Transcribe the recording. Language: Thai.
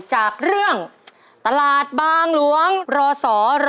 จากเรื่องตลาดบางหลวงรศ๑๕